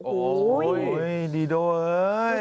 โอ้โหดีโดเอ้ย